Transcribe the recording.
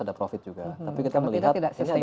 ada profit juga tapi kita melihat sistem